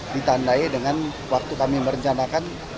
ditandai dengan waktu kami merencanakan